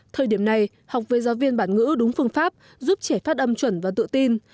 thời điểm này học với giáo viên bản ngữ đúng phương pháp giúp trẻ phát âm chuẩn và tự tin